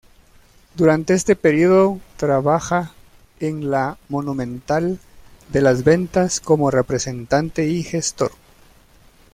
Durante este período trabaja en la Monumental de las Ventas como representante y gestor.